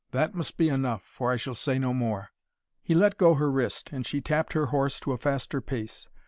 That must be enough, for I shall say no more." He let go her wrist, and she tapped her horse to a faster pace.